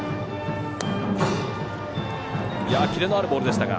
キレのあるボールでした。